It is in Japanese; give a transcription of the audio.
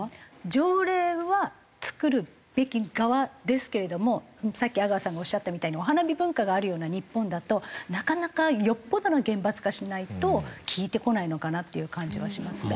条例は作るべき側ですけれどもさっき阿川さんがおっしゃったみたいにお花見文化があるような日本だとなかなかよっぽどの厳罰化しないと効いてこないのかなっていう感じはしますね。